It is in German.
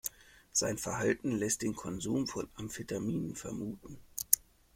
Sein Verhalten lässt den Konsum von Amphetaminen vermuten.